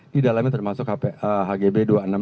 di dalamnya termasuk hgb dua ribu enam ratus dua puluh tujuh